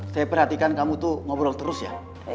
saya perhatikan kamu tuh ngobrol terus ya